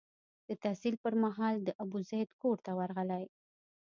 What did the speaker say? د تحصیل پر مهال د ابوزید کور ته ورغلی.